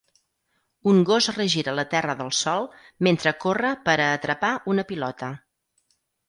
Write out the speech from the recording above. Un gos regira la terra del sòl mentre corre per a atrapar una pilota.